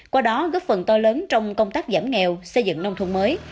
qua đó góp phần to lớn trong công tác giảm nghèo xây dựng nông thôn mới